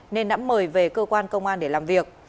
nên đã mời về cơ quan công an để làm việc